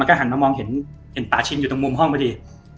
ก็หันมามองเห็นป่าชินอยู่ตรงมุมห้องพอดี